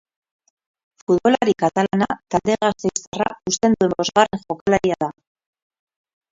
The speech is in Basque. Futbolari katalana talde gasteiztarra uzten duen bosgarren jokalaria da.